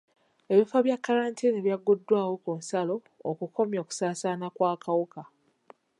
Ebifo bya kkalantiini byagguddwawo ku nsalo okukomya okusaasaana kw'akawuka.